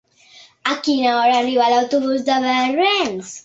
A quina hora arriba l'autobús de Barbens?